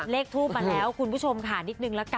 เลกทูปมาแล้วคุณคุณผู้ชมค่ะนิดนึง